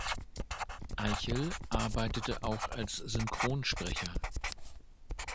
Eichel arbeitete auch als Synchronsprecher.